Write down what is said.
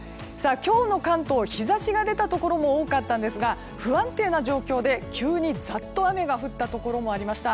今日の関東日差しが出たところも多かったんですが不安定な状況で急にざっと雨が降ったところもありました。